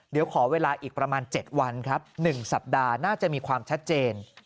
เดี๋ยวขอเวลาอีกประมาณ๗วันครับ๑สัปดาห์น่าจะมีความชัดเจน